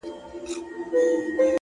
هره ورځ د نوې هیلې کړکۍ ده.!